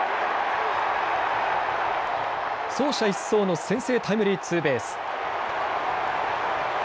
走者一掃の先制タイムリーツーベース。